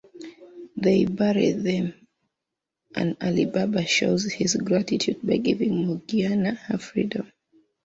They bury them, and Ali Baba shows his gratitude by giving Morgiana her freedom.